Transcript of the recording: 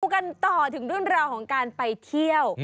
พูดกันต่อถึงรุ่นราวของการไปเที่ยว